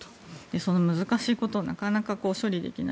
その難しいことをなかなか処理できない。